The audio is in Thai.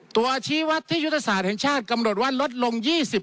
ชี้วัดที่ยุทธศาสตร์แห่งชาติกำหนดว่าลดลง๒๐